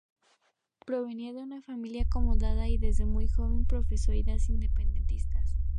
Provenía de una familia acomodada y, desde muy joven, profesó ideas independentistas.